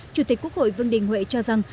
chủ tịch quốc hội vương đình huệ cho rằng